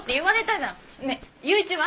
ねえ雄一は？